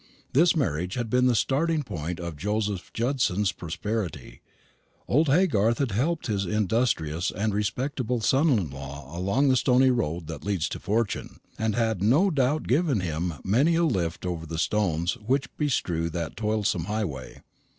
This marriage had been the starting point of Joseph Judson's prosperity. Old Haygarth had helped his industrious and respectable son in law along the stony road that leads to fortune, and had no doubt given him many a lift over the stones which bestrew that toilsome highway.